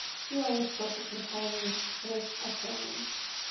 He always spoke of Napoleon with abhorrence.